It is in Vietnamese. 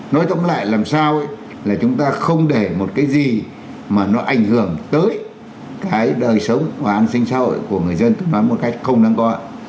nói tổng lại làm sao là chúng ta không để một cái gì mà nó ảnh hưởng tới cái đời sống và an sinh xã hội của người dân tự đoán một cách không đáng coi